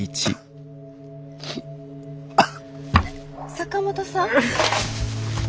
坂本さん？